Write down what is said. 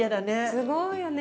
すごいよね。